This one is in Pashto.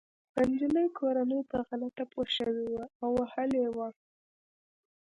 د انجلۍ کورنۍ په غلطه پوه شوې وه او وهلې يې وه